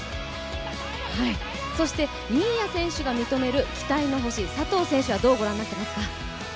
そして、新谷選手が認める期待の星、佐藤選手はどうご覧になってますか？